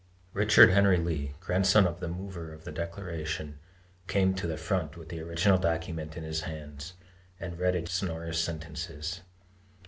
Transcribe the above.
Richard Henry Lee, grandson of the mover of the Declaration, came to the front with the original document in his hands, and read its sonorous sentences.